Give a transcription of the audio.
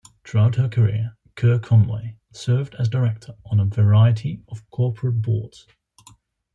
Throughout her career, Ker Conway served as director on a variety of corporate boards.